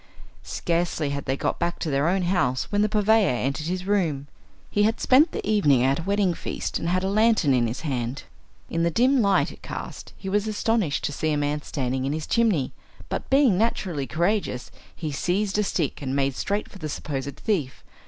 Scarcely had they got back to their own house when the purveyor entered his room. He had spent the evening at a wedding feast, and had a lantern in his hand. In the dim light it cast he was astonished to see a man standing in his chimney, but being naturally courageous he seized a stick and made straight for the supposed thief.